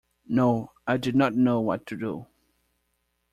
No, I did not know what to do.